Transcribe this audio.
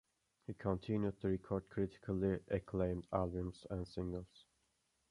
He continued to record critically acclaimed albums and singles.